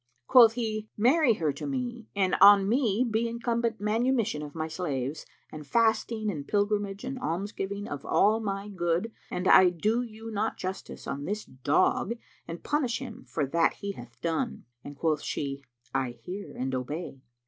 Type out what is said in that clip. Quoth he, "Marry her to me and on me be incumbent manumission of my slaves and fasting and pilgrimage and almsgiving of all my good an I do you not justice on this dog and punish him for that he hath done!" And quoth she, "I hear and obey."